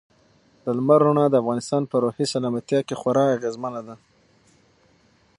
د لمر رڼا د انسان په روحي سلامتیا کې خورا اغېزمنه ده.